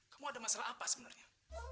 kamu ada masalah apa sebenarnya